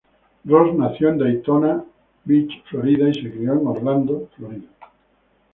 Ross nació en Daytona Beach, Florida, y se crio en Orlando, Florida.